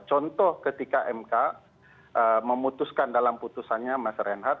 contoh ketika mk memutuskan dalam putusannya mas reinhardt